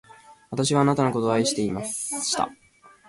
私はあなたのことを愛していました。もう一度、私に振り向いてください。